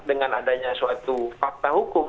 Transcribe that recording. dengan adanya suatu fakta hukum